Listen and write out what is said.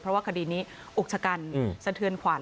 เพราะว่าคดีนี้อุกชะกันสะเทือนขวัญ